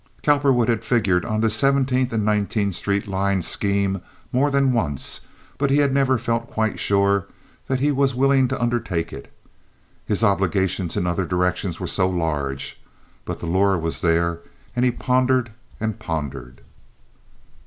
Cowperwood had figured on this Seventeenth and Nineteenth Street line scheme more than once, but he had never felt quite sure that he was willing to undertake it. His obligations in other directions were so large. But the lure was there, and he pondered and pondered.